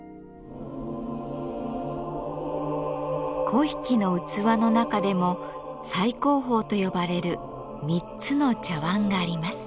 粉引の器の中でも最高峰と呼ばれる３つの茶碗があります。